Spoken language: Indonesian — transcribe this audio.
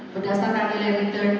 berdasarkan nilai return